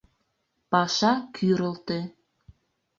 Паша кӱрылтӧ.